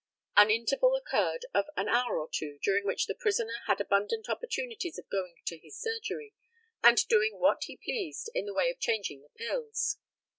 An interval occurred of an hour or two, during which the prisoner had abundant opportunities of going to his surgery, and doing what he pleased in the way of changing the pills.